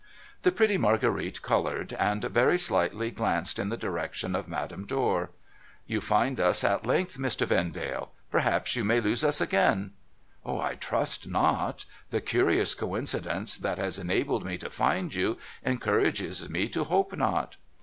The pretty Marguerite coloured, and very slightly glanced in the direction of Madame Dor. ' You find us at length, Mr. Vendale. Perhaps you may lose us again.' * I trust not. The curious coincidence that has enabled me to find you, encourages me to hope not.'